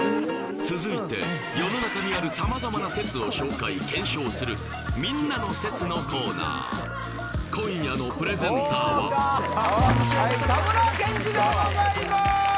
続いて世の中にある様々な説を紹介検証するみんなの説のコーナー今夜のプレゼンターははいたむらけんじでございます